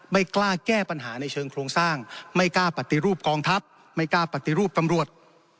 ไม่กล้าแก้ปัญหาในเชิงโครงสร้างไม่กล้าปฏิรูปกองทัพไม่กล้าปฏิรูปตำรวจ